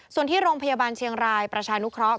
ส่วนที่โรงพยาบาลเชียงรายประชานุเคราะห